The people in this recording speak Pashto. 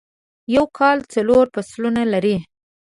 یو کال څلور فصلونه لري.